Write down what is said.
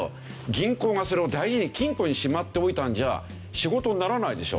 銀行がそれを大事に金庫にしまっておいたんじゃ仕事にならないでしょ。